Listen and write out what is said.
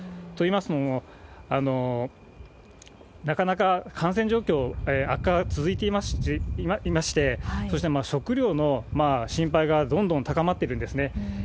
といいますのも、なかなか感染状況悪化が続いていまして、そして、食料の心配がどんどん高まっているんですね。